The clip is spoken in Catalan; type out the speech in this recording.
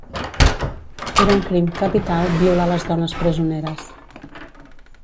Era un crim capital violar les dones presoneres.